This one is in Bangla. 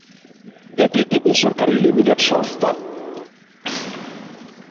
এটি একটি বেসরকারী লিমিটেড সংস্থা ছিল।